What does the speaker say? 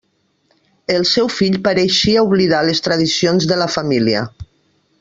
El seu fill pareixia oblidar les tradicions de la família.